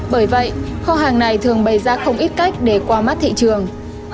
bởi vậy kho hàng này thường bày ra không ít cách để qua mắt thị trường